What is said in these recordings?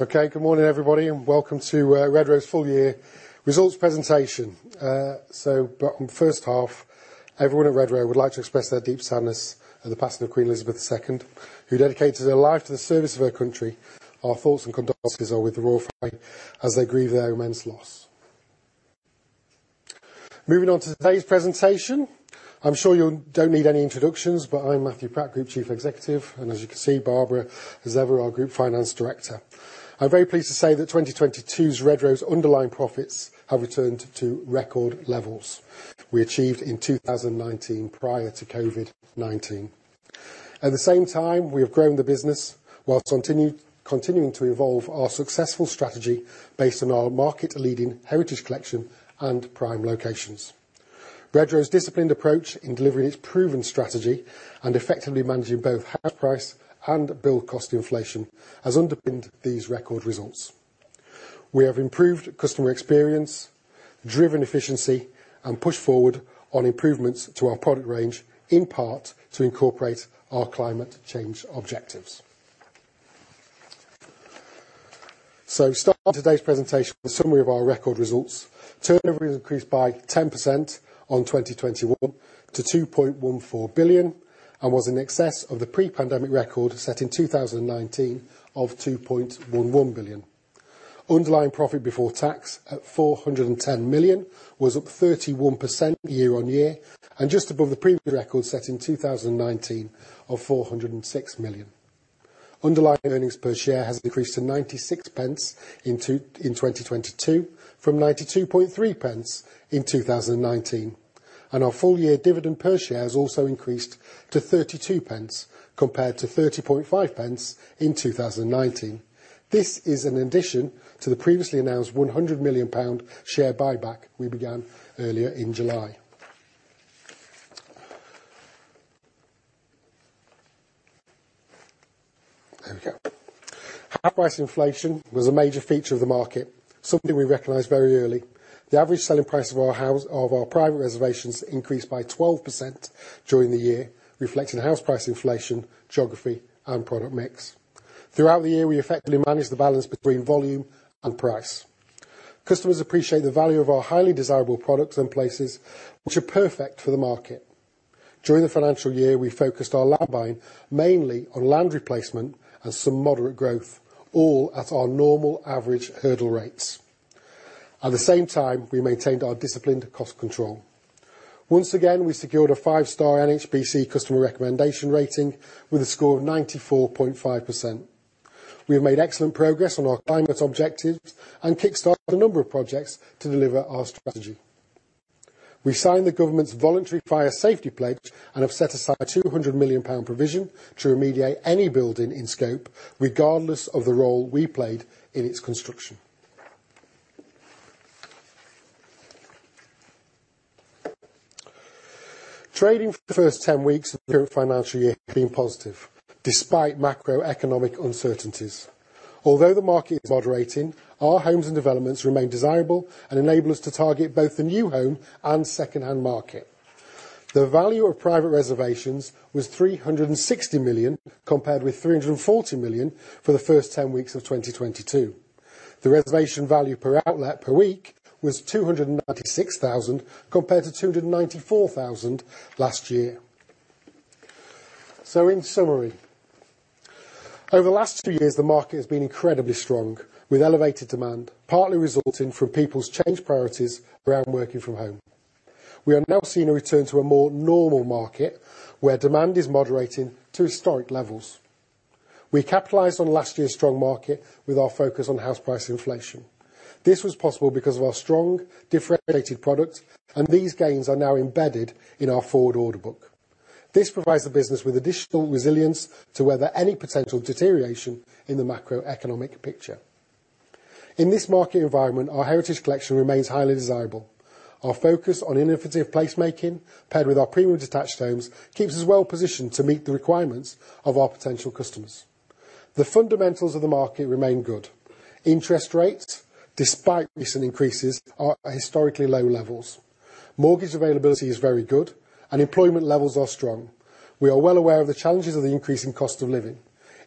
Okay, good morning, everybody, and welcome to Redrow's full year results presentation. First half, everyone at Redrow would like to express their deep sadness at the passing of Queen Elizabeth II, who dedicated her life to the service of her country. Our thoughts and condolences are with the Royal Family as they grieve their immense loss. Moving on to today's presentation, I'm sure you don't need any introductions, but I'm Matthew Pratt, Group Chief Executive, and as you can see, Barbara Richmond, our Group Finance Director. I'm very pleased to say that 2022's Redrow's underlying profits have returned to record levels we achieved in 2019 prior to COVID-19. At the same time, we have grown the business while continuing to evolve our successful strategy based on our market-leading Heritage Collection and prime locations. Redrow's disciplined approach in delivering its proven strategy and effectively managing both house price and build cost inflation has underpinned these record results. We have improved customer experience, driven efficiency, and pushed forward on improvements to our product range, in part, to incorporate our climate change objectives. Starting today's presentation with a summary of our record results. Turnover has increased by 10% on 2021, to 2.14 billion and was in excess of the pre-pandemic record set in 2019 of 2.11 billion. Underlying profit before tax at 410 million was up 31% year-on-year and just above the previous record set in 2019 of 406 million. Underlying earnings per share has increased to GBP 0.96 in 2022 from GBP 0.923 in 2019. Our full year dividend per share has also increased to 0.32 compared to 0.305 in 2019. This is an addition to the previously announced GBP 100 million share buyback we began earlier in July. There we go. House price inflation was a major feature of the market, something we recognized very early. The average selling price of our private reservations increased by 12% during the year, reflecting house price inflation, geography, and product mix. Throughout the year, we effectively managed the balance between volume and price. Customers appreciate the value of our highly desirable products and places, which are perfect for the market. During the financial year, we focused our land buying mainly on land replacement and some moderate growth, all at our normal average hurdle rates. At the same time, we maintained our disciplined cost control. Once again, we secured a five-star NHBC customer recommendation rating with a score of 94.5%. We have made excellent progress on our climate objectives and kickstarted a number of projects to deliver our strategy. We signed the government's voluntary fire safety pledge and have set aside a 200 million pound provision to remediate any building in scope, regardless of the role we played in its construction. Trading for the first 10 weeks of the current financial year has been positive, despite macroeconomic uncertainties. Although the market is moderating, our homes and developments remain desirable and enable us to target both the new home and second-hand market. The value of private reservations was 360 million, compared with 340 million for the first 10 weeks of 2022. The reservation value per outlet per week was 296 thousand compared to 294 thousand last year. In summary, over the last two years, the market has been incredibly strong with elevated demand, partly resulting from people's changed priorities around working from home. We are now seeing a return to a more normal market where demand is moderating to historic levels. We capitalized on last year's strong market with our focus on house price inflation. This was possible because of our strong differentiated product and these gains are now embedded in our forward order book. This provides the business with additional resilience to weather any potential deterioration in the macroeconomic picture. In this market environment, our Heritage Collection remains highly desirable. Our focus on innovative placemaking paired with our premium detached homes keeps us well positioned to meet the requirements of our potential customers. The fundamentals of the market remain good. Interest rates, despite recent increases, are at historically low levels. Mortgage availability is very good and employment levels are strong. We are well aware of the challenges of the increasing cost of living.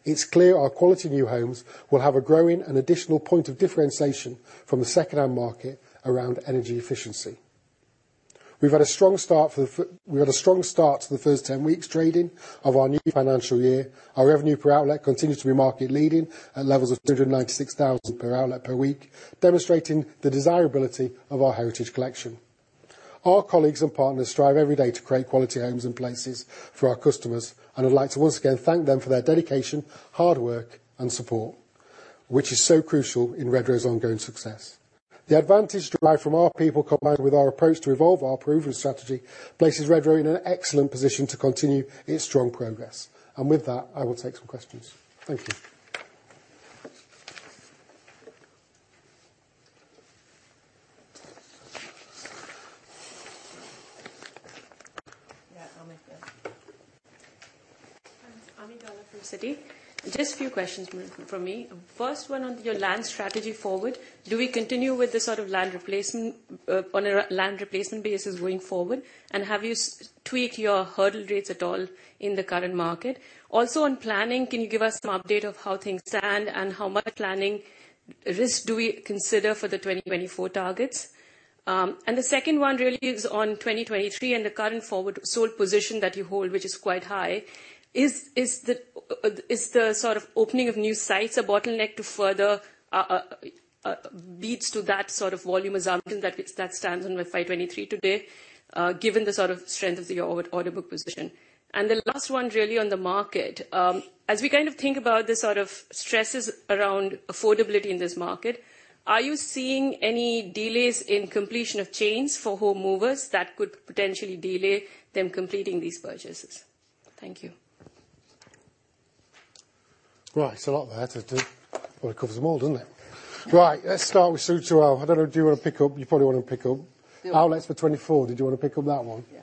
It's clear our quality new homes will have a growing and additional point of differentiation from the second-hand market around energy efficiency. We had a strong start to the first 10 weeks trading of our new financial year. Our revenue per outlet continues to be market leading at levels of 296,000 per outlet per week, demonstrating the desirability of our Heritage Collection. Our colleagues and partners strive every day to create quality homes and places for our customers, and I'd like to once again thank them for their dedication, hard work, and support, which is so crucial in Redrow's ongoing success. The advantage derived from our people combined with our approach to evolve our proven strategy places Redrow in an excellent position to continue its strong progress. With that, I will take some questions. Thank you. Yeah, I'm gonna. Ami Galla from Citi. Just a few questions from me. First one on your land strategy forward, do we continue with this sort of land replacement on a land replacement basis going forward? Have you tweaked your hurdle rates at all in the current market? Also, on planning, can you give us some update of how things stand and how much planning risk do we consider for the 2024 targets? The second one really is on 2023 and the current forward sold position that you hold, which is quite high. Is the sort of opening of new sites a bottleneck to further leads to that sort of volume assumption that stands now with FY 2023 today, given the sort of strength of your order book position? The last one really on the market. As we kind of think about the sort of stresses around affordability in this market, are you seeing any delays in completion of chains for home movers that could potentially delay them completing these purchases? Thank you. Right. It's a lot there to do. Well, it covers them all, doesn't it? Right. Let's start with uncertain. I don't know, do you wanna pick up? You probably wanna pick up. Yeah. Outlets for 2024, did you wanna pick up that one? Yeah.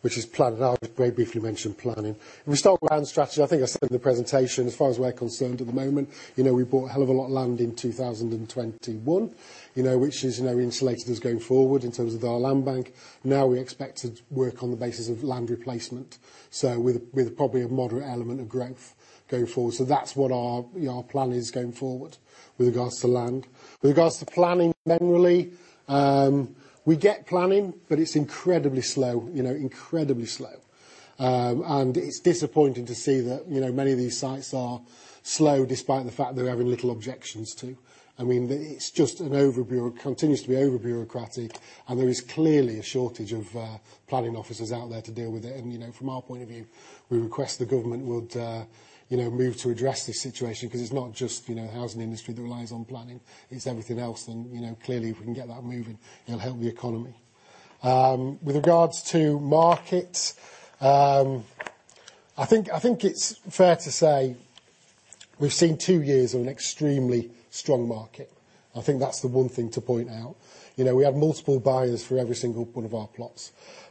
Which is planning. I'll just very briefly mention planning. If we start with land strategy, I think I said in the presentation, as far as we're concerned at the moment, you know, we bought a hell of a lot of land in 2021, you know, which is, you know, insulated us going forward in terms of our land bank. Now we expect to work on the basis of land replacement. With probably a moderate element of growth going forward. That's what our plan is going forward with regards to land. With regards to planning generally, we get planning, but it's incredibly slow. You know, incredibly slow. It's disappointing to see that, you know, many of these sites are slow despite the fact they're having little objections to. I mean, it's just overly bureaucratic, continues to be overly bureaucratic, and there is clearly a shortage of planning officers out there to deal with it. You know, from our point of view, we request the government would, you know, move to address this situation because it's not just, you know, the housing industry that relies on planning, it's everything else. You know, clearly, if we can get that moving, it'll help the economy. With regards to market, I think it's fair to say we've seen two years of an extremely strong market. I think that's the one thing to point out. You know, we have multiple buyers for every single one of our plots.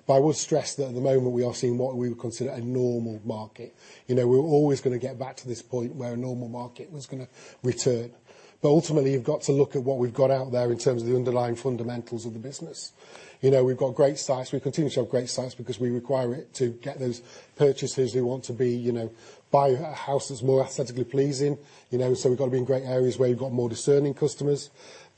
I would stress that at the moment we are seeing what we would consider a normal market. You know, we're always gonna get back to this point where a normal market was gonna return. Ultimately, you've got to look at what we've got out there in terms of the underlying fundamentals of the business. You know, we've got great sites. We continue to have great sites because we require it to get those purchasers who want to be, you know, buy houses more aesthetically pleasing, you know. We've got to be in great areas where you've got more discerning customers.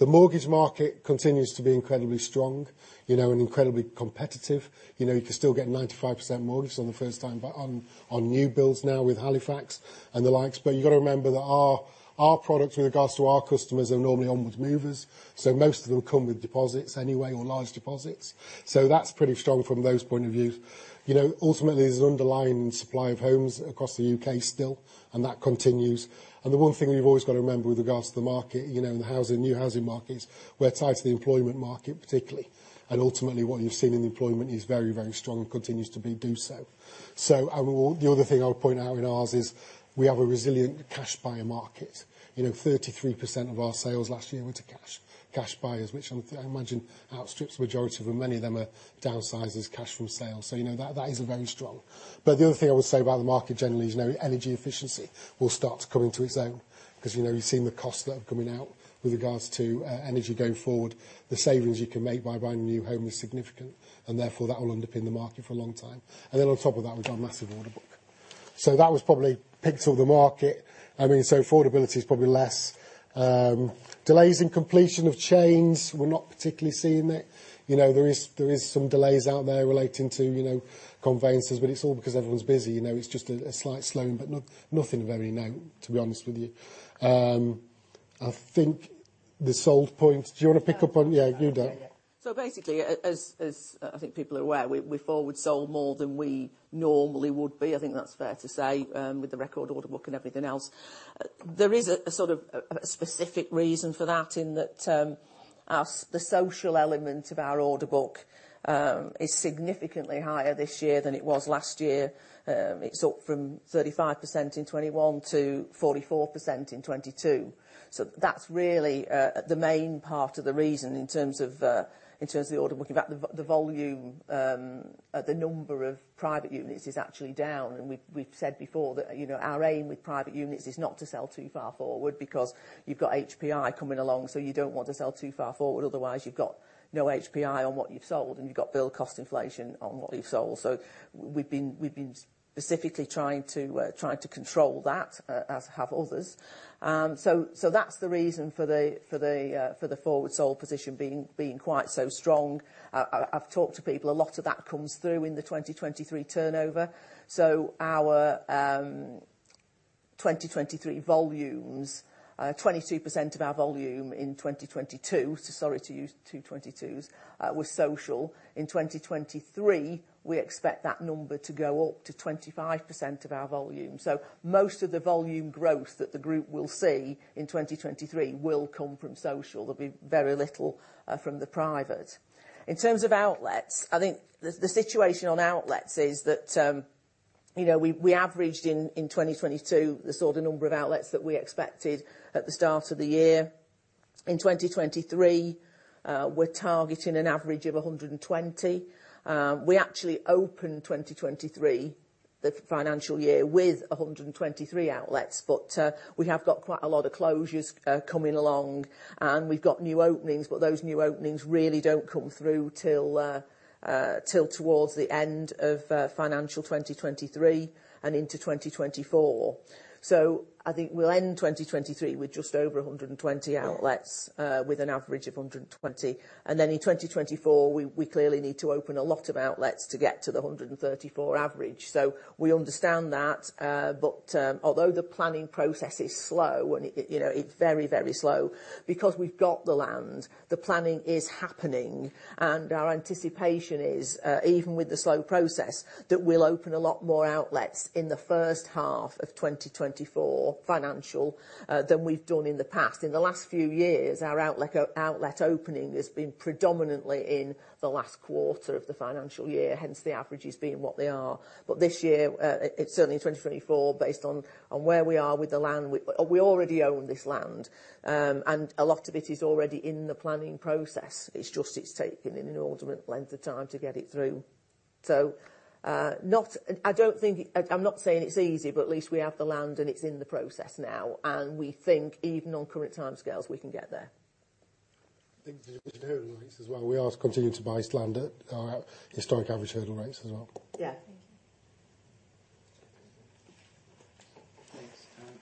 The mortgage market continues to be incredibly strong, you know, and incredibly competitive. You know, you can still get 95% mortgage on new builds now with Halifax and the likes. You got to remember that our products with regards to our customers are normally onward movers, so most of them come with deposits anyway or large deposits. That's pretty strong from those points of view. You know, ultimately, there's an underlying supply of homes across the UK still, and that continues. The one thing we've always got to remember with regards to the market, you know, the housing, new housing markets, we're tied to the employment market particularly. Ultimately, what you've seen in employment is very, very strong and continues to do so. The other thing I would point out in ours is we have a resilient cash buyer market. You know, 33% of our sales last year went to cash buyers, which I imagine outstrips the majority of them. Many of them are downsizers cash from sales. You know, that is very strong. The other thing I would say about the market generally is, you know, energy efficiency will start to come into its own because, you know, you've seen the costs that are coming out with regards to energy going forward. The savings you can make by buying a new home is significant, and therefore that will underpin the market for a long time. On top of that, we've got a massive order book. That was probably picked all the market. I mean, so affordability is probably less. Delays in completion of chains, we're not particularly seeing that. You know, there is some delays out there relating to, you know, conveyances, but it's all because everyone's busy. You know, it's just a slight slowing, but nothing very new, to be honest with you. I think the selling point. Do you wanna pick up on Yeah. Yeah, you do. Yeah. Basically, as I think people are aware, we forward sold more than we normally would be. I think that's fair to say, with the record order book and everything else. There is a sort of specific reason for that in that, the social element of our order book is significantly higher this year than it was last year. It's up from 35% in 2021 to 44% in 2022. That's really the main part of the reason in terms of the order book. In fact, the volume, the number of private units is actually down. We've said before that, you know, our aim with private units is not to sell too far forward because you've got HPI coming along, so you don't want to sell too far forward. Otherwise, you've got no HPI on what you've sold, and you've got build cost inflation on what you've sold. We've been specifically trying to control that, as have others. That's the reason for the forward sold position being quite so strong. I've talked to people, a lot of that comes through in the 2023 turnover. Our 2023 volumes, 22% of our volume in 2022, so sorry to use two 2022s, was social. In 2023, we expect that number to go up to 25% of our volume. Most of the volume growth that the group will see in 2023 will come from social. There'll be very little from the private. In terms of outlets, I think the situation on outlets is that we averaged in 2022 the sort of number of outlets that we expected at the start of the year. In 2023, we're targeting an average of 120. We actually opened 2023, the financial year, with 123 outlets, but we have got quite a lot of closures coming along, and we've got new openings, but those new openings really don't come through till towards the end of financial 2023 and into 2024. I think we'll end 2023 with just over 120 outlets, with an average of 120. In 2024, we clearly need to open a lot of outlets to get to the 134 average. We understand that, but although the planning process is slow, and it you know, it's very, very slow, because we've got the land, the planning is happening, and our anticipation is even with the slow process, that we'll open a lot more outlets in the first half of 2024 financial than we've done in the past. In the last few years, our outlet opening has been predominantly in the last quarter of the financial year, hence the averages being what they are. This year it's certainly in 2024, based on where we are with the land. We already own this land. A lot of it is already in the planning process. It's just taking an inordinate length of time to get it through. I'm not saying it's easy, but at least we have the land, and it's in the process now. We think even on current timescales, we can get there. I think the hurdle rates as well. We are continuing to buy land at our historic average hurdle rates as well. Yeah. Thank you.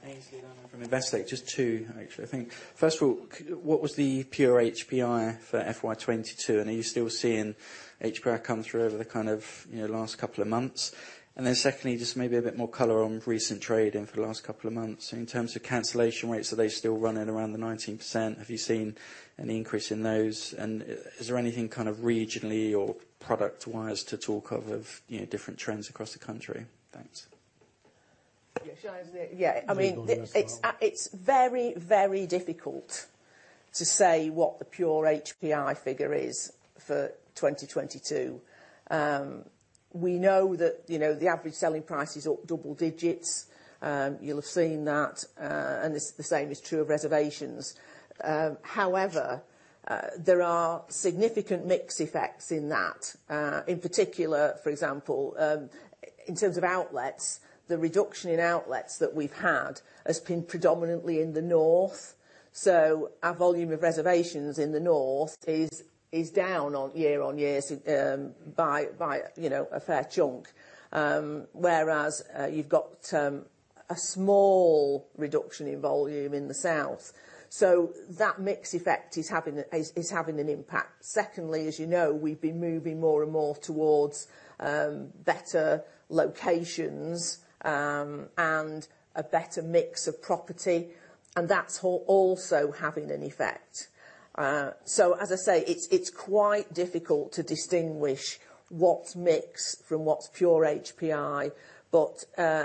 Thanks. Aynsley Lammin from Investec. Just two, actually. I think first of all, what was the pure HPI for FY 2022? And are you still seeing HPI come through over the kind of, you know, last couple of months? And then secondly, just maybe a bit more color on recent trading for the last couple of months. In terms of cancellation rates, are they still running around the 19%? Have you seen an increase in those? And is there anything kind of regionally or product-wise to talk of, you know, different trends across the country? Thanks. Yeah. Shall I say it? Yeah. You can go as well. I mean, it's very, very difficult to say what the pure HPI figure is for 2022. We know that, you know, the average selling price is up double digits. You'll have seen that, and this, the same is true of reservations. However, there are significant mix effects in that. In particular, for example, in terms of outlets, the reduction in outlets that we've had has been predominantly in the north. So our volume of reservations in the north is down year on year by, you know, a fair chunk. Whereas, you've got a small reduction in volume in the south. So that mix effect is having an impact. Secondly, as you know, we've been moving more and more towards better locations and a better mix of property, and that's also having an effect. So as I say, it's quite difficult to distinguish what's mix from what's pure HPI. But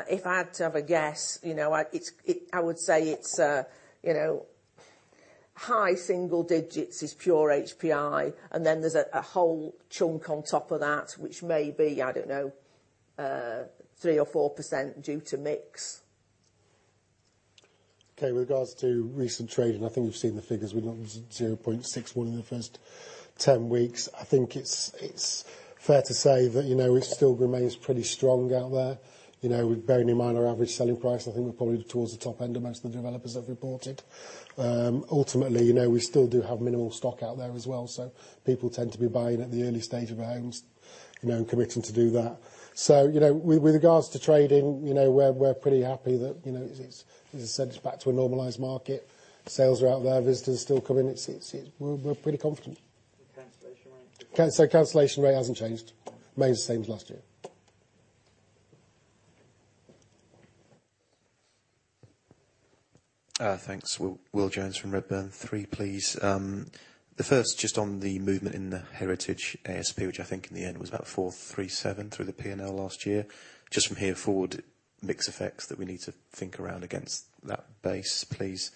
if I had to have a guess, you know, I would say it's, you know, high single digits is pure HPI, and then there's a whole chunk on top of that, which may be, I don't know, 3% or 4% due to mix. Okay. With regards to recent trading, I think you've seen the figures. We launched 0.61 in the first 10 weeks. I think it's fair to say that, you know, it still remains pretty strong out there. You know, with bearing in mind our average selling price, I think we're probably towards the top end of most of the developers that have reported. Ultimately, you know, we still do have minimal stock out there as well. So people tend to be buying at the early stage of our homes, you know, and committing to do that. So, you know, with regards to trading, you know, we're pretty happy that, you know, it's, as I said, it's back to a normalized market. Sales are out there. Visitors are still coming. It's. We're pretty confident. Cancellation rate? Cancellation rate hasn't changed. Remains the same as last year. Thanks. Will Jones from Redburn. Three, please. The first just on the movement in the Heritage ASP, which I think in the end was about £437 through the P&L last year. Just from here forward, mix effects that we need to think around against that base, please.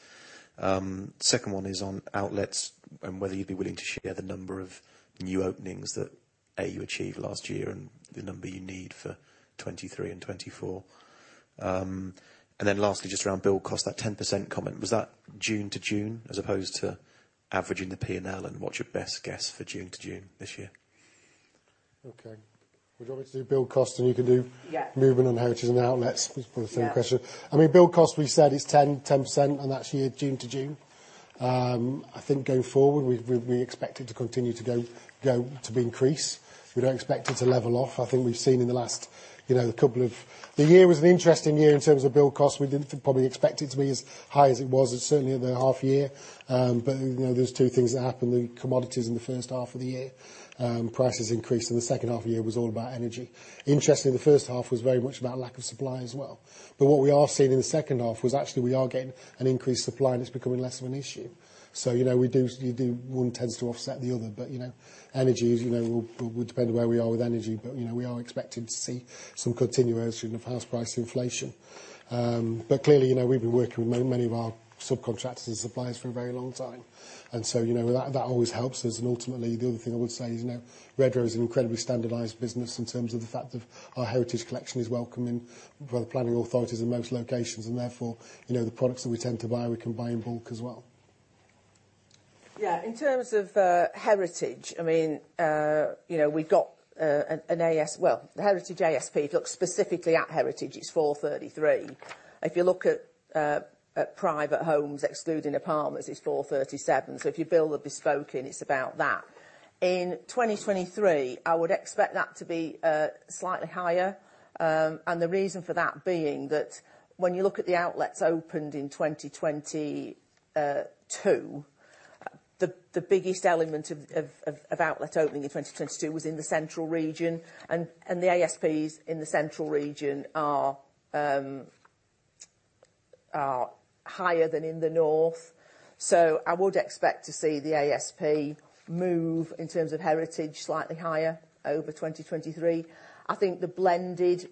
Second one is on outlets and whether you'd be willing to share the number of new openings that, A, you achieved last year and the number you need for 2023 and 2024. And then lastly, just around build cost, that 10% comment. Was that June to June as opposed to averaging the P&L? And what's your best guess for June to June this year? Okay. Would you want me to do build cost, and you can do- Yeah Movement on Heritage and outlets? Yeah. It's probably a fair question. I mean, build cost, we said is 10%, and that's year June to June. I think going forward, we expect it to continue to go to increase. We don't expect it to level off. I think we've seen in the last, you know, couple of years. The year was an interesting year in terms of build cost. We didn't probably expect it to be as high as it was, and certainly in the half year. You know, there's two things that happened. The commodities in the first half of the year, prices increased, and the second half of the year was all about energy. Interestingly, the first half was very much about lack of supply as well. what we are seeing in the second half was actually we are getting an increased supply, and it's becoming less of an issue. So, you know, one tends to offset the other. you know, we'll depend on where we are with energy. you know, we are expecting to see some continuity in the house price inflation. clearly, you know, we've been working with many of our subcontractors and suppliers for a very long time. you know, that always helps us. ultimately, the other thing I would say is, you know, Redrow is an incredibly standardized business in terms of the fact that our Heritage Collection is welcome in for the planning authorities in most locations. Therefore, you know, the products that we tend to buy, we can buy in bulk as well. Yeah, in terms of heritage, I mean, you know, we got. Well, the Heritage ASP, if you look specifically at Heritage, it's 433. If you look at private homes excluding apartments, it's 437. So if you build a bespoke one, it's about that. In 2023, I would expect that to be slightly higher. The reason for that being that when you look at the outlets opened in 2022, the biggest element of outlet opening in 2022 was in the central region. The ASPs in the central region are higher than in the north. So I would expect to see the ASP move in terms of Heritage slightly higher over 2023. I think the blended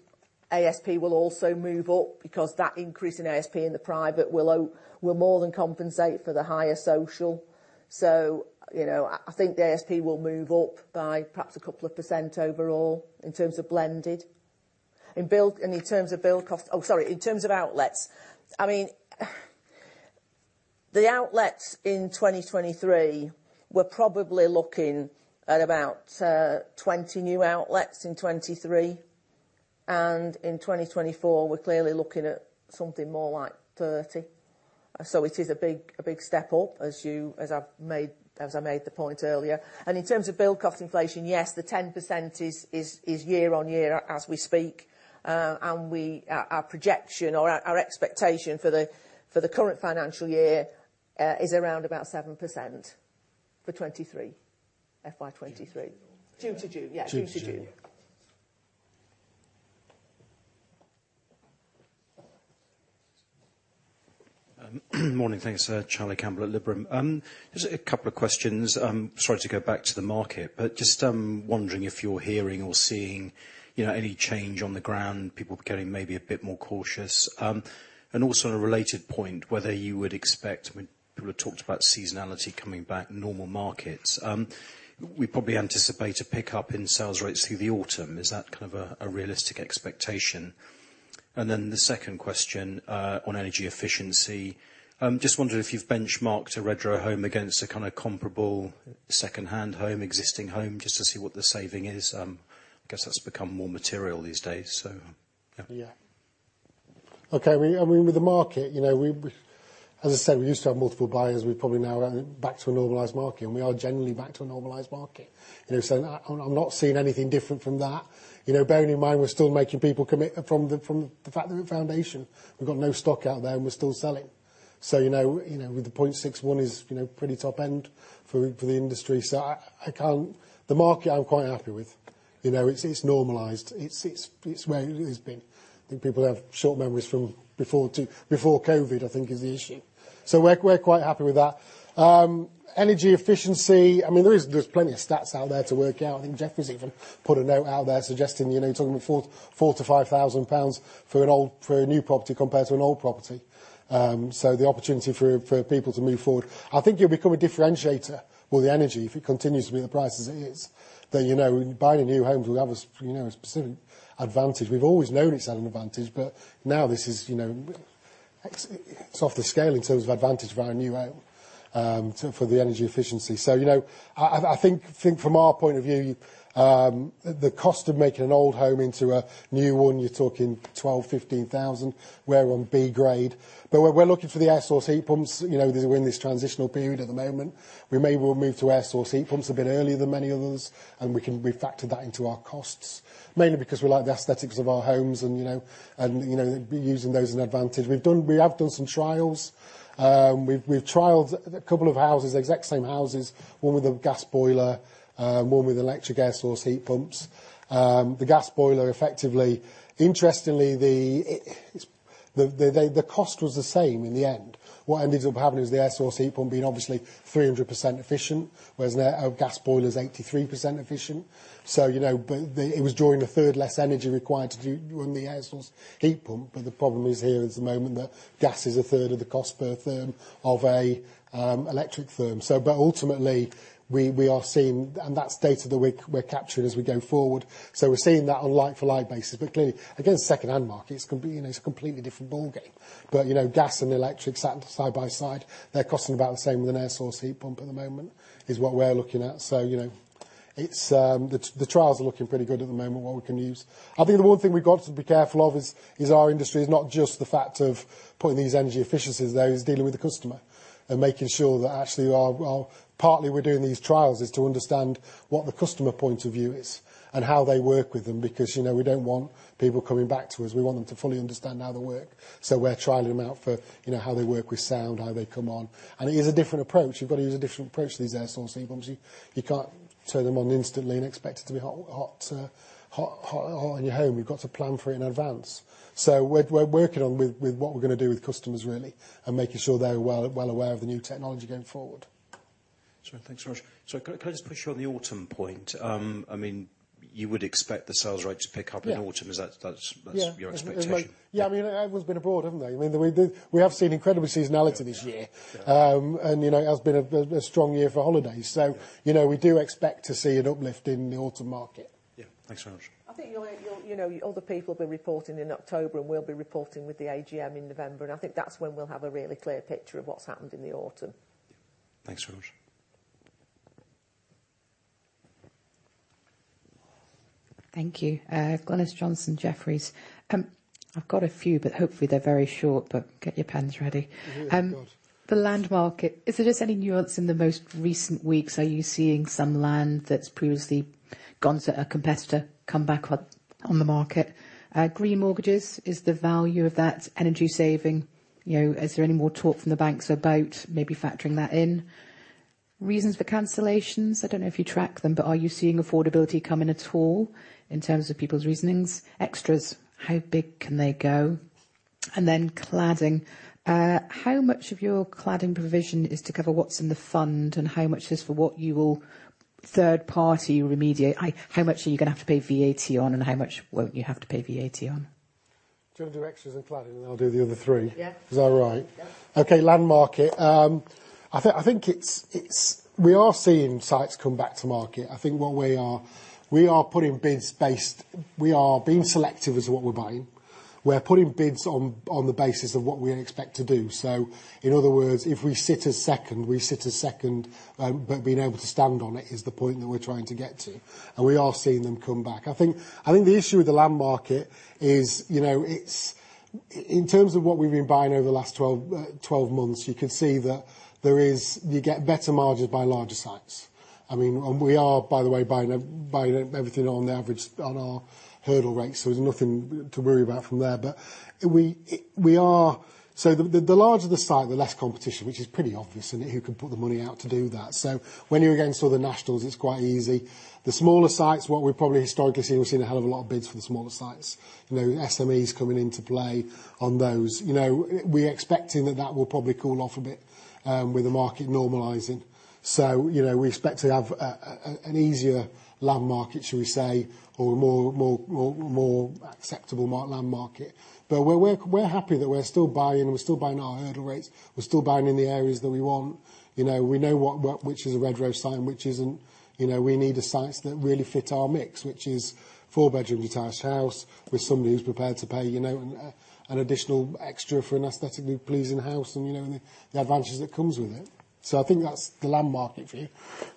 ASP will also move up because that increase in ASP in the private will more than compensate for the higher social. I think the ASP will move up by perhaps a couple of % overall in terms of blended. In terms of outlets, I mean, the outlets in 2023, we're probably looking at about 20 new outlets in 2023. In 2024, we're clearly looking at something more like 30. It is a big step up, as I made the point earlier. In terms of build cost inflation, yes, the 10% is year-on-year as we speak. Our projection or our expectation for the current financial year is around about 7% for 2023, FY 2023. June to June. June to June. Yeah, June to June. June to June. Morning. Thanks. Charlie Campbell at Liberum. Just a couple of questions. Sorry to go back to the market, but just wondering if you're hearing or seeing, you know, any change on the ground, people getting maybe a bit more cautious. Also a related point, whether you would expect, I mean, people have talked about seasonality coming back, normal markets. We probably anticipate a pickup in sales rates through the autumn. Is that kind of a realistic expectation? Then the second question, on energy efficiency, just wondered if you've benchmarked a Redrow home against a kinda comparable second-hand home, existing home, just to see what the saving is. I guess that's become more material these days. Yeah. Okay. I mean, with the market, you know. As I said, we used to have multiple buyers. We probably now are back to a normalized market, and we are generally back to a normalized market. You know, so I'm not seeing anything different from that. You know, bearing in mind, we're still making people commit from the foot of the foundation. We've got no stock out there, and we're still selling. So, you know, with the 0.61 is, you know, pretty top end for the industry. So I can't. The market, I'm quite happy with. You know, it's normalized. It's where it's been. I think people have short memories from before COVID, I think is the issue. So we're quite happy with that. Energy efficiency, I mean, there's plenty of stats out there to work out. I think Jefferies even put a note out there suggesting, you know, talking about 4,000-5,000 pounds for a new property compared to an old property. The opportunity for people to move forward. I think it'll become a differentiator with the energy. If it continues to be the price as it is, you know, buying a new home will have a, you know, a specific advantage. We've always known it's an advantage, but now this is, you know, it's off the scale in terms of advantage of buying a new home, for the energy efficiency. You know, I think from our point of view, the cost of making an old home into a new one, you're talking 12 thousand-15 thousand. We're on B grade. We're looking for the air-source heat pumps. You know, we're in this transitional period at the moment. We may well move to air-source heat pumps a bit earlier than many others, and we can factor that into our costs. Mainly because we like the aesthetics of our homes and by using those to our advantage. We have done some trials. We've trialed a couple of houses, exact same houses, one with a gas boiler, one with electric air-source heat pumps. The gas boiler effectively. Interestingly, the cost was the same in the end. What ended up happening is the air source heat pump being obviously 300% efficient, whereas our gas boiler's 83% efficient. It was drawing a third less energy required to run the air source heat pump, but the problem is, here is the moment that gas is a third of the cost per therm of an electric therm. But ultimately, we are seeing that data that we're capturing as we go forward. We're seeing that on like-for-like basis. But clearly, against second-hand markets, it can be, it's a completely different ballgame. Gas and electric sat side by side, they're costing about the same with an air source heat pump at the moment is what we're looking at. You know, it's the trials are looking pretty good at the moment, what we can use. I think the one thing we've got to be careful of is our industry is not just the fact of putting these energy efficiencies there. It's dealing with the customer and making sure that actually we are. Partly, we're doing these trials is to understand what the customer point of view is and how they work with them because, you know, we don't want people coming back to us. We want them to fully understand how they work. We're trialing them out for, you know, how they work with sound, how they come on. It is a different approach. You've got to use a different approach to these air source heat pumps. You can't turn them on instantly and expect it to be hot in your home. You've got to plan for it in advance. We're working on with what we're gonna do with customers, really, and making sure they're well aware of the new technology going forward. Sure. Thanks very much. Can I just push you on the autumn point? I mean, you would expect the sales rate to pick up in autumn. Yeah. That's your expectation? Yeah. I mean, everyone's been abroad, haven't they? I mean, we have seen incredible seasonality this year. You know, it has been a strong year for holidays. You know, we do expect to see an uplift in the autumn market. Yeah. Thanks very much. I think you'll. You know, other people will be reporting in October, and we'll be reporting with the AGM in November. I think that's when we'll have a really clear picture of what's happened in the autumn. Thanks very much. Thank you. Glynis Johnson, Jefferies. I've got a few, but hopefully they're very short, but get your pens ready. Yeah, of course. The land market, is there just any nuance in the most recent weeks? Are you seeing some land that's previously gone to a competitor come back on the market? Green mortgages, is the value of that energy saving? You know, is there any more talk from the banks about maybe factoring that in? Reasons for cancellations, I don't know if you track them, but are you seeing affordability come in at all in terms of people's reasonings? Extras, how big can they go? Cladding, how much of your cladding provision is to cover what's in the fund, and how much is for what you will third party remediate? How much are you gonna have to pay VAT on, and how much won't you have to pay VAT on? Do you wanna do extras and cladding, and I'll do the other three? Yeah. Is that all right? Yeah. Okay. Land market. I think it's. We are seeing sites come back to market. I think what we are putting bids. We are being selective as to what we're buying. We're putting bids on the basis of what we expect to do. In other words, if we sit as second, we sit as second. Being able to stand on it is the point that we're trying to get to, and we are seeing them come back. I think the issue with the land market is, you know, it's. In terms of what we've been buying over the last 12 months, you could see that there is you get better margins by larger sites. I mean, we are, by the way, buying everything on the average on our hurdle rates, so there's nothing to worry about from there. We are. The larger the site, the less competition, which is pretty obvious, isn't it, who can put the money out to do that. When you're against all the nationals, it's quite easy. The smaller sites, what we've probably historically seen, we've seen a hell of a lot of bids for the smaller sites. You know, SMEs coming into play on those. You know, we're expecting that will probably cool off a bit with the market normalizing. We expect to have an easier land market, shall we say, or more acceptable land market. We're happy that we're still buying and we're still buying our hurdle rates. We're still buying in the areas that we want. You know, we know what which is a Redrow site, which isn't. You know, we need sites that really fit our mix, which is four-bedroom detached house with somebody who's prepared to pay, you know, an additional extra for an aesthetically pleasing house and, you know, the advantages that comes with it. I think that's the land market for you.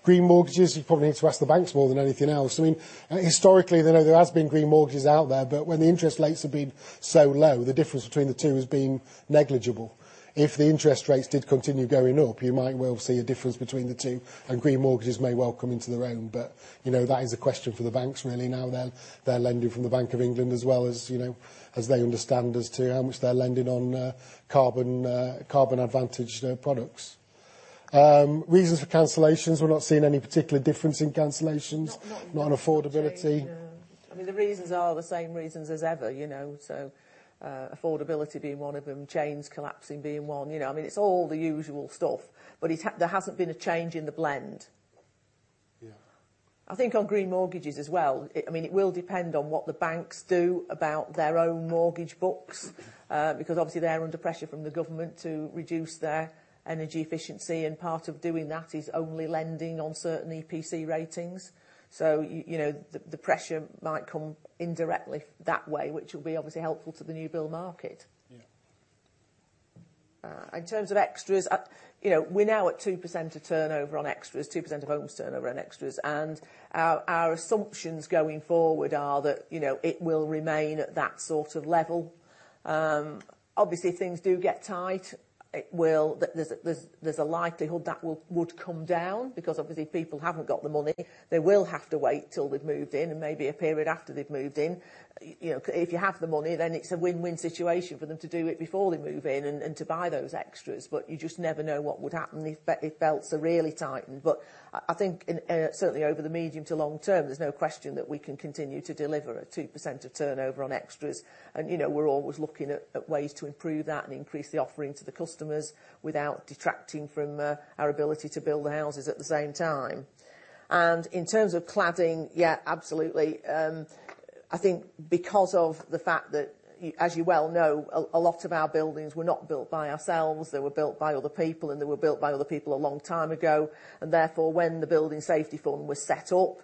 Green mortgages, you probably need to ask the banks more than anything else. I mean, historically, you know, there has been green mortgages out there. When the interest rates have been so low, the difference between the two has been negligible. If the interest rates did continue going up, you might well see a difference between the two, and green mortgages may well come into their own. You know, that is a question for the banks really now. They're lending from the Bank of England as well as, you know, as they understand as to how much they're lending on carbon advantaged products. Reasons for cancellations. We're not seeing any particular difference in cancellations. Not, not in- Not on affordability. No. I mean, the reasons are the same reasons as ever, you know. Affordability being one of them, chains collapsing being one. You know, I mean, it's all the usual stuff, but it hasn't been a change in the blend. Yeah. I think on green mortgages as well, I mean, it will depend on what the banks do about their own mortgage books, because obviously they're under pressure from the government to reduce their energy efficiency, and part of doing that is only lending on certain EPC ratings. You know, the pressure might come indirectly that way, which will be obviously helpful to the new build market. Yeah. In terms of extras, you know, we're now at 2% of turnover on extras, 2% of homes turnover on extras. Our assumptions going forward are that, you know, it will remain at that sort of level. Obviously, if things do get tight, it will. There's a likelihood that would come down because obviously people haven't got the money. They will have to wait till they've moved in and maybe a period after they've moved in. You know, if you have the money, then it's a win-win situation for them to do it before they move in and to buy those extras. But you just never know what would happen if belts are really tightened. I think in certainly over the medium to long term, there's no question that we can continue to deliver at 2% of turnover on extras. You know, we're always looking at ways to improve that and increase the offering to the customers without detracting from our ability to build the houses at the same time. In terms of cladding, yeah, absolutely. I think because of the fact that, as you well know, a lot of our buildings were not built by ourselves. They were built by other people, and they were built by other people a long time ago. Therefore, when the Building Safety Fund was set up,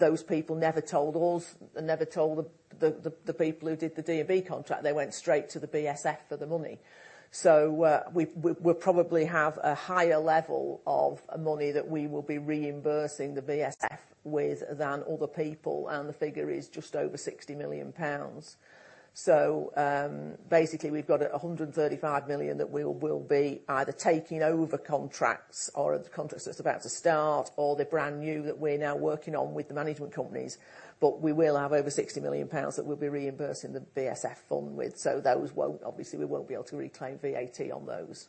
those people never told us and never told the people who did the D&B contract. They went straight to the BSF for the money. We probably have a higher level of money that we will be reimbursing the BSF with than other people, and the figure is just over 60 million pounds. Basically, we've got 135 million that we will be either taking over contracts or contracts that's about to start or they're brand new that we're now working on with the management companies. We will have over 60 million pounds that we'll be reimbursing the BSF fund with. Those won't. Obviously, we won't be able to reclaim VAT on those.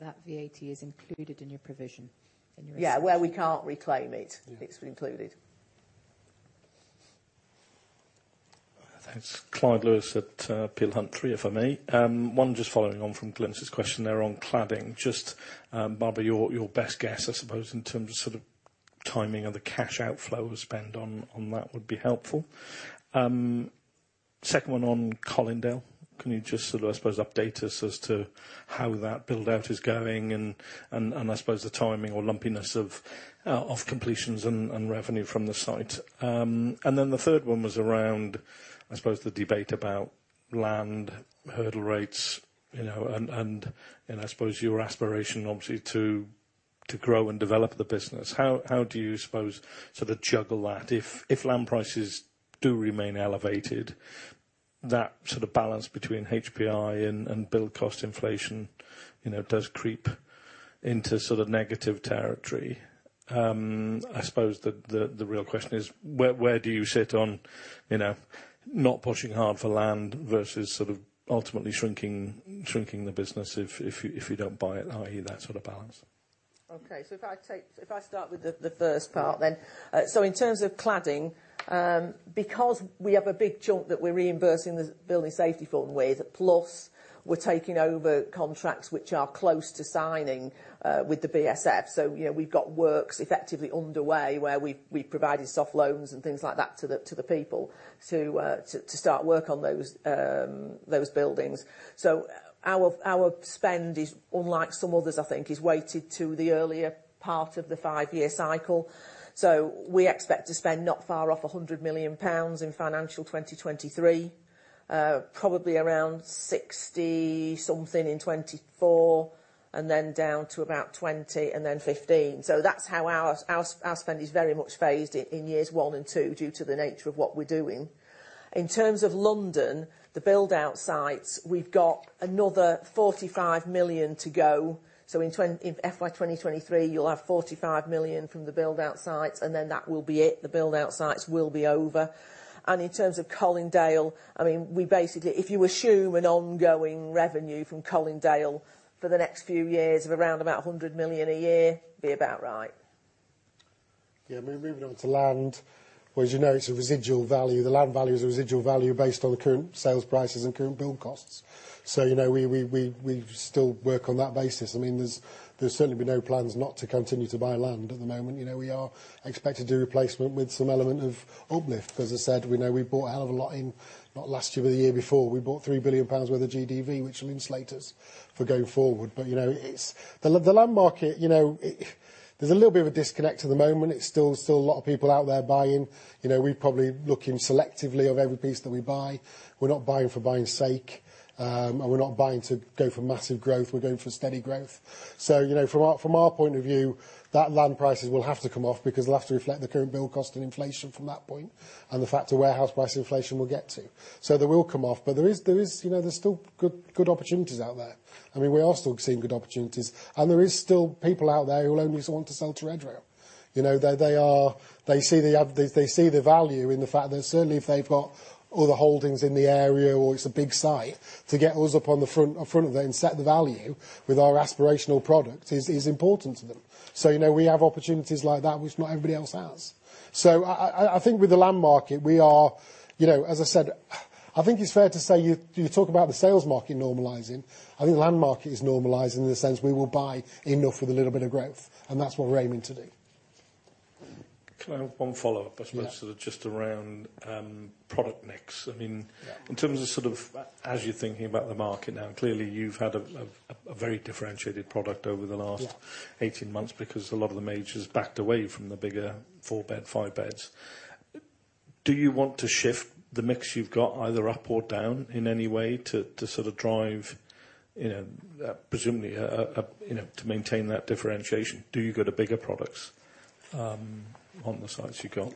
That VAT is included in your provision. Yeah, where we can't reclaim it. Yeah. It's included. Thanks. Clyde Lewis at Peel Hunt. Three if I may. One just following on from Glynis question there on cladding. Just, Barbara, your best guess, I suppose, in terms of sort of timing of the cash outflow or spend on that would be helpful. Second one on Colindale. Can you just sort of, I suppose, update us as to how that build-out is going and the timing or lumpiness of completions and revenue from the site. The third one was around, I suppose, the debate about land hurdle rates, you know, and I suppose your aspiration obviously to grow and develop the business, how do you suppose sort of juggle that if land prices do remain elevated, that sort of balance between HPI and build cost inflation, you know, does creep into sort of negative territory. I suppose the real question is where do you sit on, you know, not pushing hard for land versus sort of ultimately shrinking the business if you don't buy it, i.e., that sort of balance? If I start with the first part. In terms of cladding, because we have a big chunk that we're reimbursing the Building Safety Fund with, plus we're taking over contracts which are close to signing, with the BSF. You know, we've got works effectively underway where we've provided soft loans and things like that to the people to start work on those buildings. Our spend is unlike some others, I think, is weighted to the earlier part of the five-year cycle. We expect to spend not far off 100 million pounds in financial 2023, probably around 60-something in 2024, and then down to about 20 and then 15. That's how our spend is very much phased in years one and two due to the nature of what we're doing. In terms of London, the build out sites, we've got another 45 million to go. In FY 2023, you'll have 45 million from the build out sites, and then that will be it. The build out sites will be over. In terms of Colindale, I mean, we basically, if you assume an ongoing revenue from Colindale for the next few years of around about 100 million a year, be about right. Yeah. I mean, moving on to land, well, as you know, it's a residual value. The land value is a residual value based on the current sales prices and current build costs. So, you know, we still work on that basis. I mean, there's certainly been no plans not to continue to buy land at the moment. You know, we are expected to do replacement with some element of uplift. As I said, we know we bought a hell of a lot in, not last year, but the year before. We bought 3 billion pounds worth of GDV, which will insulate us for going forward. You know, it's the land market. You know, there's a little bit of a disconnect at the moment. It's still a lot of people out there buying. You know, we're probably looking selectively of every piece that we buy. We're not buying for buying's sake. We're not buying to go for massive growth. We're going for steady growth. You know, from our point of view, that land prices will have to come off because it'll have to reflect the current build cost and inflation from that point and the fact of where house price inflation will get to. They will come off. There is, you know, there's still good opportunities out there. I mean, we are still seeing good opportunities. There is still people out there who will only want to sell to Redrow. You know, they are. They see the value in the fact that certainly if they've got other holdings in the area or it's a big site, to get us up on the front of it and set the value with our aspirational product is important to them. You know, we have opportunities like that which not everybody else has. I think with the land market, you know, as I said, I think it's fair to say, you talk about the sales market normalizing. I think the land market is normalizing in the sense we will buy enough with a little bit of growth, and that's what we're aiming to do. Can I have one follow-up? Yeah. I suppose sort of just around product mix. I mean Yeah in terms of sort of as you're thinking about the market now, clearly you've had a very differentiated product over the last Yeah 18 months because a lot of the majors backed away from the bigger four bed, five beds. Do you want to shift the mix you've got either up or down in any way to sort of drive, you know, presumably ASP, you know, to maintain that differentiation? Do you go to bigger products on the sites you've got?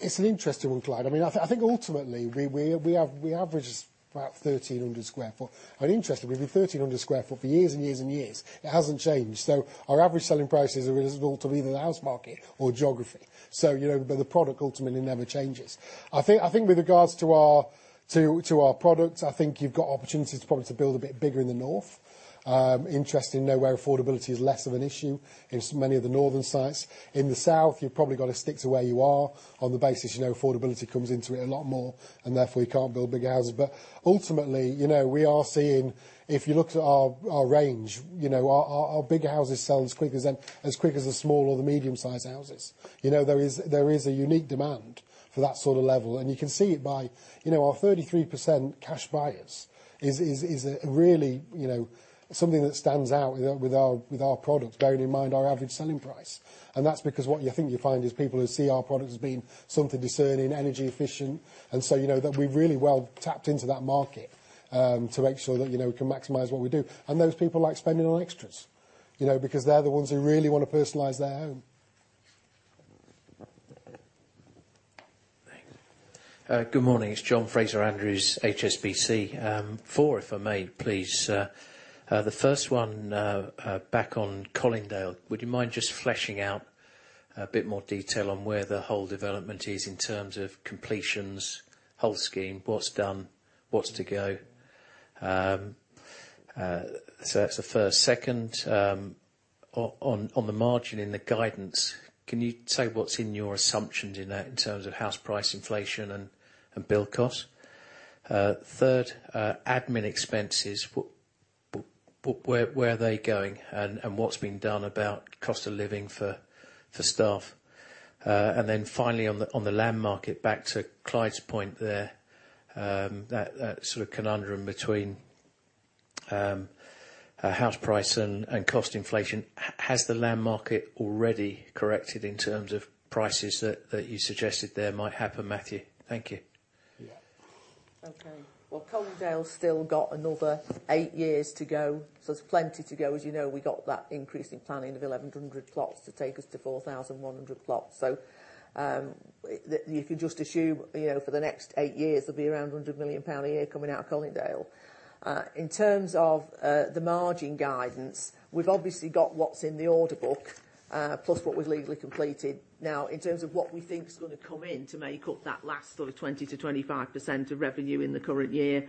It's an interesting one, Clyde. I mean, I think ultimately, we average about 1,300 sq ft. Interestingly, we've been 1,300 sq ft for years and years and years. It hasn't changed. Our average selling price is relative either to the house market or geography. You know, but the product ultimately never changes. I think with regards to our product, you've got opportunities probably to build a bit bigger in the north. Interesting, you know, where affordability is less of an issue in many of the northern sites. In the south, you've probably got to stick to where you are on the basis, you know, affordability comes into it a lot more, and therefore you can't build big houses. Ultimately, you know, we are seeing, if you looked at our range, you know, our bigger houses sell as quick as the small or the medium-sized houses. You know, there is a unique demand for that sort of level. You can see it by, you know, our 33% cash buyers is a really, you know, something that stands out with our product, bearing in mind our average selling price. That's because what you think you find is people who see our product as being something discerning, energy efficient. So, you know, that we've really well tapped into that market, to make sure that, you know, we can maximize what we do. Those people like spending on extras, you know, because they're the ones who really wanna personalize their home. Thanks. Good morning. It's John Fraser-Andrews, HSBC. Four, if I may, please. The first one, back on Colindale. Would you mind just fleshing out a bit more detail on where the whole development is in terms of completions, whole scheme, what's done, what's to go? That's the first. Second, on the margin in the guidance, can you say what's in your assumptions in that in terms of house price inflation and build cost? Third, admin expenses, where are they going and what's been done about cost of living for staff? Then finally on the land market, back to Clyde's point there, that sort of conundrum between house price and cost inflation. Has the land market already corrected in terms of prices that you suggested there might happen, Matthew? Thank you. Yeah. Okay. Well, Colindale's still got another eight years to go, so there's plenty to go. As you know, we got that increase in planning of 1,100 plots to take us to 4,100 plots. You can just assume, you know, for the next eight years, there'll be around 100 million pound a year coming out of Colindale. In terms of the margin guidance, we've obviously got what's in the order book, plus what we've legally completed. Now, in terms of what we think is gonna come in to make up that last sort of 20%-25% of revenue in the current year,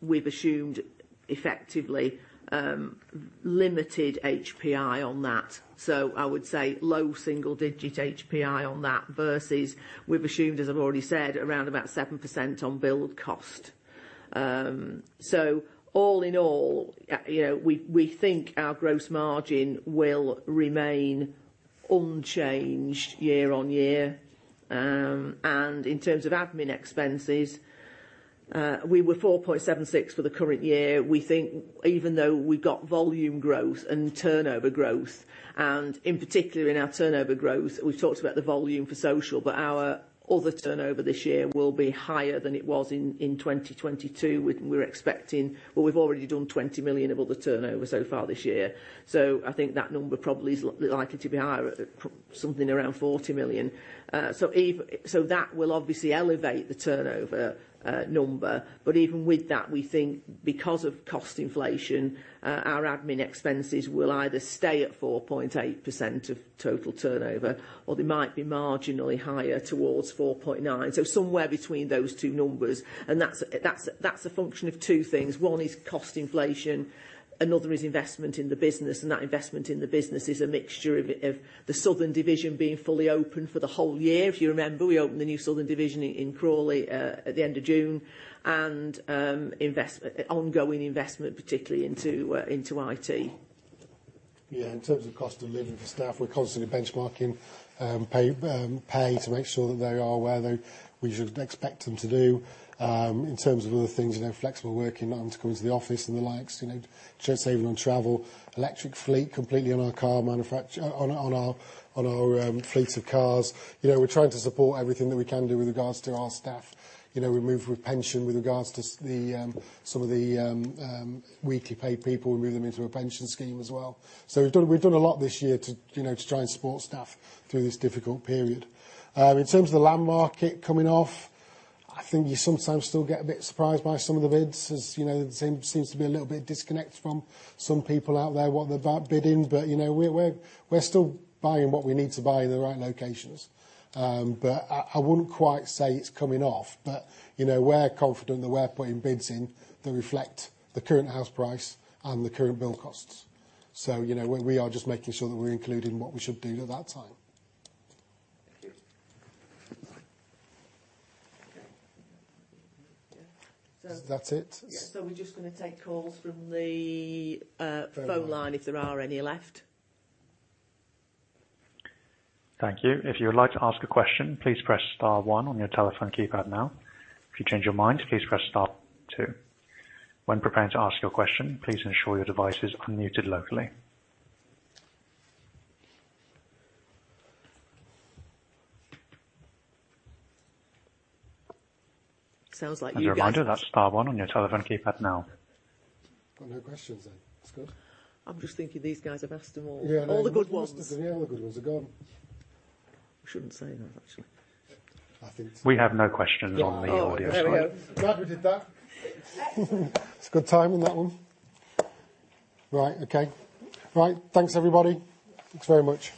we've assumed effectively, limited HPI on that. I would say low single digit HPI on that versus we've assumed, as I've already said, around about 7% on build cost. All in all, you know, we think our gross margin will remain unchanged year-on-year. In terms of admin expenses, we were 4.76% for the current year. We think even though we've got volume growth and turnover growth, and in particular in our turnover growth, we've talked about the volume for Southern, but our other turnover this year will be higher than it was in 2022. We've already done 20 million of other turnover so far this year. I think that number probably is likely to be higher, at something around 40 million. That will obviously elevate the turnover number. Even with that, we think because of cost inflation, our admin expenses will either stay at 4.8% of total turnover, or they might be marginally higher towards 4.9%. So somewhere between those two numbers. That's a function of two things. One is cost inflation, another is investment in the business, and that investment in the business is a mixture of the Southern division being fully open for the whole year. If you remember, we opened the new Southern division in Crawley at the end of June. Ongoing investment, particularly into IT. Yeah, in terms of cost of living for staff, we're constantly benchmarking pay to make sure that they are where we should expect them to do. In terms of other things, you know, flexible working, not having to come into the office and the likes, you know, to save on travel. Electric fleet completely on our fleets of cars. You know, we're trying to support everything that we can do with regards to our staff. You know, we moved with pension with regards to some of the weekly paid people, we moved them into a pension scheme as well. We've done a lot this year to try and support staff through this difficult period. In terms of the land market coming off, I think you sometimes still get a bit surprised by some of the bids as, you know, there seems to be a little bit of disconnect from some people out there, what they're about bidding. You know, we're still buying what we need to buy in the right locations. I wouldn't quite say it's coming off, but, you know, we're confident that we're putting bids in that reflect the current house price and the current build costs. You know, we are just making sure that we're including what we should do at that time. Thank you. Okay. Is that it? Yeah. We're just gonna take calls from the phone line if there are any left. Thank you. If you would like to ask a question, please press star one on your telephone keypad now. If you change your mind, please press star two. When preparing to ask your question, please ensure your device is unmuted locally. Sounds like you guys. Reminder, that's star one on your telephone keypad now. Got no questions then. It's good. I'm just thinking these guys have asked them all. Yeah. All the good ones. Yeah, all the good ones are gone. We shouldn't say that, actually. I think- We have no questions on the audio side. Yeah. Oh, there we go. Glad we did that. It's a good time on that one. Right. Okay. Right. Thanks, everybody. Thanks very much.